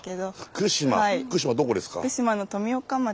福島どこですか？